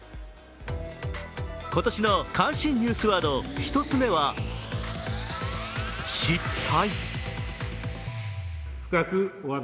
今年の関心ニュースワード、１つ目は失態。